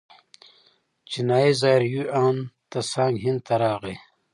چینایي زایر هیوان تسانګ هند ته راغی.